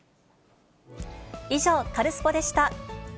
以上、カルスポっ！でした。